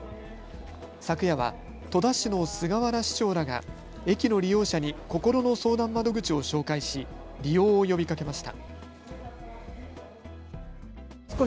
昨夜は戸田市の菅原市長らが駅の利用者にこころの相談窓口を紹介し利用を呼びかけました。